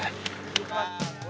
terima kasih bang